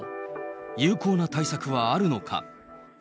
有効な対策はあるのか。